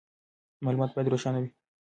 معلومات باید روښانه وي.